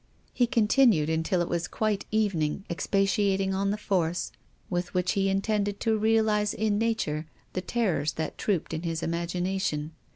He continued, until it was quite evening, ex patiating on the force with which he intended to realise in literature the terrors that trooped in his imagination.